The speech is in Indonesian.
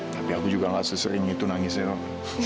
tapi aku juga gak sesering itu nangisnya